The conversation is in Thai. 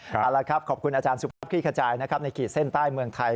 เอาละครับขอบคุณอาจารย์สุภาพคลี่ขจายนะครับในขีดเส้นใต้เมืองไทย